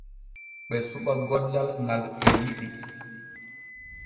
Ɓe suɓa gollal ŋal ɓe yiɗi.